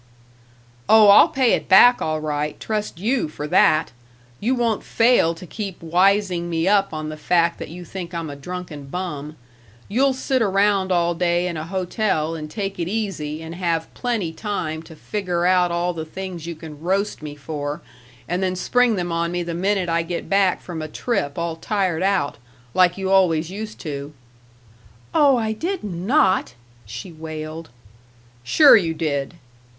"Oh, I'll pay it back, all right, trust you for that! You won't fail to keep wising me up on the fact that you think I'm a drunken bum. You'll sit around all day in a hotel and take it easy and have plenty time to figger out all the things you can roast me for, and then spring them on me the minute I get back from a trip all tired out. Like you always used to." "Oh, I did not!" she wailed. "Sure you did."